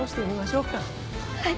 はい。